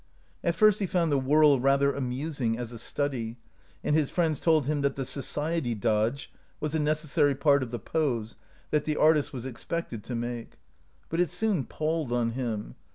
At first he found the whirl rather amusing as a study, and his friends told him that the " society dodge " was a necessary part of the " pose " that the artist was ex pected to make. But it soon palled on him.